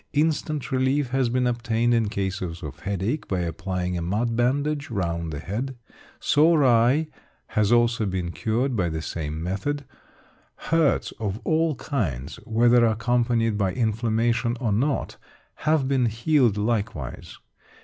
Instant relief has been obtained in cases of headache by applying a mud bandage round the head. Sore eye has also been cured by the same method; hurts of all kinds, whether accompanied by inflammation or not, have been healed likewise.